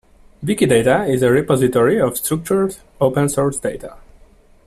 Wikidata is a repository of structured open source data.